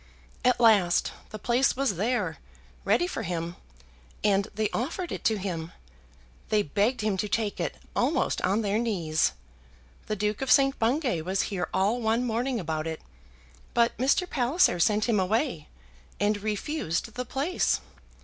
At last, the place was there, ready for him, and they offered it to him. They begged him to take it, almost on their knees. The Duke of St. Bungay was here all one morning about it; but Mr. Palliser sent him away, and refused the place.